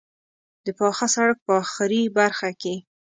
د پاخه سړک په آخري برخه کې.